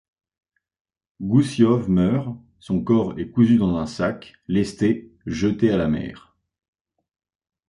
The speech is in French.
Goussiov meurt, son corps est cousu dans un sac, lesté, jeté à la mer.